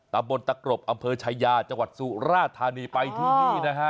ตามบนตะกรบอำเพลิงชายาจนวัตถ์สู่ราชธานีไปที่นี่นะคะ